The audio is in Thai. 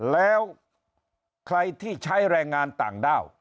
แล้วใครที่ใช้แรงงานต่างด้าว